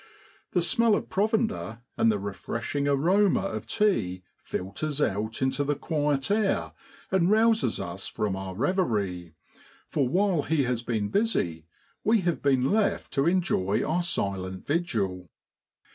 The smell of provender and the refreshing aroma of tea filters out into the quiet air and rouses us from our reverie, for whilst he has been busy we have 70 JULY IN BROADLAND. been left to enjoy our silent vigil.